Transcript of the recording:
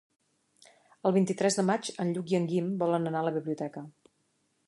El vint-i-tres de maig en Lluc i en Guim volen anar a la biblioteca.